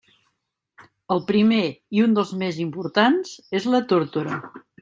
El primer, i un dels més importants, és la tórtora.